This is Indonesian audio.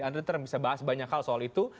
anda bisa bahas banyak hal soal itu